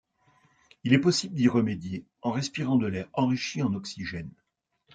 Il est possible d'y remédier en respirant de l'air enrichi en oxygène.